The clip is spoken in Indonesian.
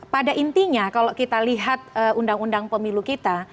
pada intinya kalau kita lihat undang undang pemilu kita